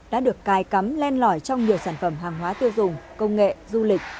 đã được cài cắm lên lõi trong nhiều sản phẩm hàng hóa tiêu dùng công nghệ du lịch